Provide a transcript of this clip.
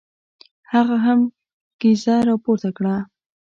هغه هم کیزه را پورته کړه.